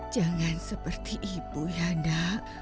jangan seperti ibu yanda